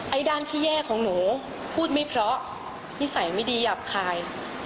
ด้านที่แย่ของหนูพูดไม่เพราะนิสัยไม่ดีหยาบคาย